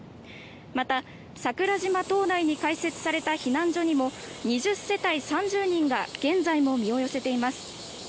また、桜島島内に開設された避難所にも２０世帯３０人が現在も身を寄せています。